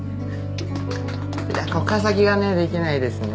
こっから先がねできないですね